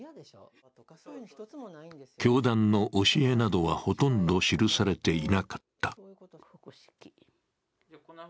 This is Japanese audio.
教団の教えなどはほとんど記されていなかった。